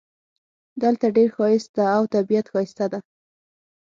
دلته ډېر ښایست ده او طبیعت ښایسته ده